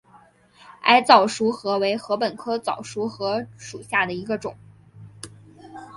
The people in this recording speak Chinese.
矮早熟禾为禾本科早熟禾属下的一个种。